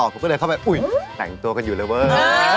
ผมก็เลยเข้าไปอุ๊ยแต่งตัวกันอยู่เลยเว้ย